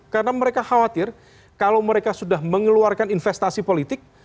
karena mereka khawatir kalau mereka sudah mengeluarkan investasi politik